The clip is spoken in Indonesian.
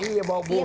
iya bawa burung